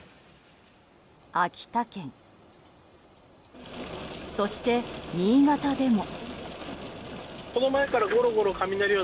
秋田県、そして新潟でも。